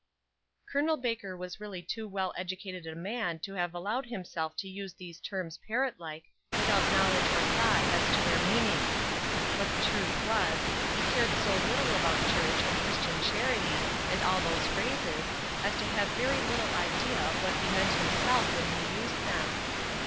Col. Baker was really too well educated a man to have allowed himself to use these terms parrot like, without knowledge or thought as to their meaning; but the truth was, he cared so little about church and Christian charity, and all those phrases, as to have very little idea of what he meant himself when he used them.